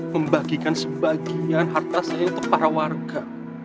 membagikan sebagian harta saya untuk para warga